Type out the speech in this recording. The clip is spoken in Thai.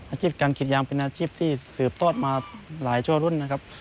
อาชีพการกิจยางเป็นอาชีพที่สืบทอดมาหลายชั่วรุ่นนะครับ